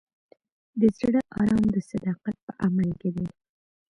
د زړه ارام د صداقت په عمل کې دی.